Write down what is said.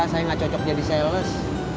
saya nggak cocok jadi sales